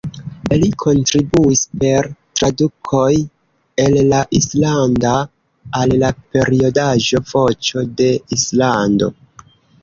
Li kontribuis per tradukoj el la islanda al la periodaĵo "Voĉo de Islando".